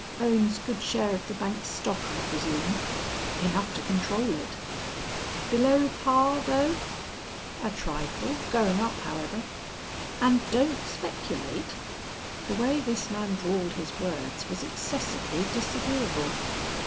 "Owns good share of the bank's stock I presume?" "Enough to control it." "Below par though?" "A trifle, going up, however." "And don't speculate?" The way this man drawled his words was excessively disagreeable.